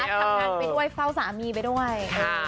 เป็นไว้เฝ้าสามีไปด้วย